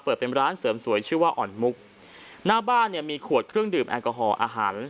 เปิดเป็นร้านเสริมสวยชื่อว่าอ่อนมุกหน้าบ้านเนี่ยมีขวดเครื่องดื่มแอลกอฮอล์อาหาร